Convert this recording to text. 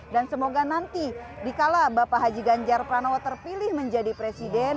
dan semoga nanti dikala bapak haji ganjar pranowo terpilih menjadi presiden